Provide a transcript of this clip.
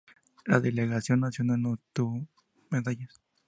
La delegación nacional no obtuvo medallas.